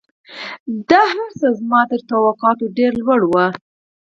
دا هرڅه زما تر توقعاتو ډېر لوړ وو